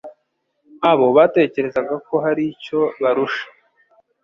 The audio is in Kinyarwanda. abo batekerezaga ko har'icyo barusha